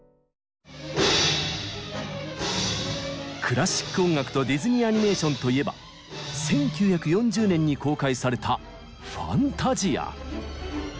クラシック音楽とディズニーアニメーションといえば１９４０年に公開された「ファンタジア」。